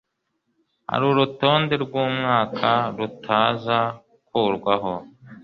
hari urutonde rwumwaka ruta za kurwaho